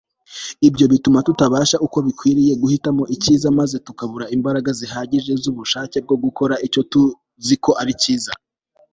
ibyo bituma tutabasha uko bikwiriye guhitamo icyiza, maze tukabura imbaraga zihagije z'ubushake bwo gukora icyo tuzi ko ari cyiza